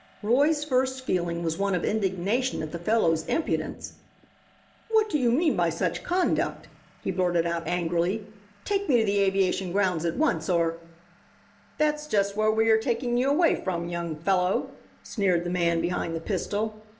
Roy's first feeling was one of indignation at the fellow's impudence. "What do you mean by such conduct," he blurted out angrily. "Take me to the aviation grounds at once, or " "That's just where we are taking you away from, young fellow," sneered the man behind the pistol.